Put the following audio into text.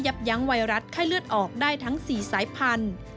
ยั้งไวรัสไข้เลือดออกได้ทั้ง๔สายพันธุ์